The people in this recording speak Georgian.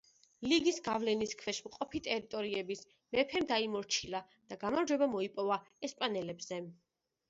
ლიგის გავლენის ქვეშ მყოფი ტერიტორიები მეფემ დაიმორჩილა და გამარჯვება მოიპოვა ესპანელებზე.